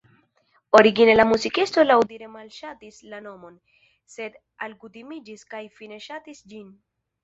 Origine la muzikisto laŭdire malŝatis la nomon, sed alkutimiĝis kaj fine ŝatis ĝin.